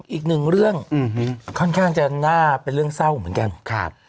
อีกหนึ่งเรื่องค่อนข้างจะน่าเป็นเรื่องเศร้าเหมือนกันครับ